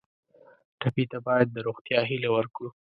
ټپي ته باید د روغتیا هیله ورکړو.